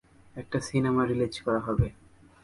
একটা cinema release করা হবে!